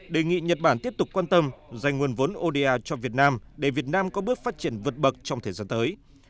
đề nghị nhật bản tiếp tục quan tâm dành nguồn vốn oda cho việt nam để việt nam có bước phát triển vượt bậc trong thời gian tới